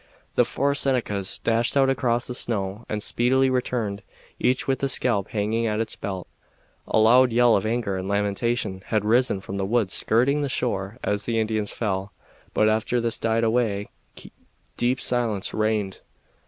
The four Senecas dashed out across the snow and speedily returned, each with a scalp hanging at his belt. A loud yell of anger and lamentation had risen from the woods skirting the shore as the Indians fell, but after this died away deep silence reigned.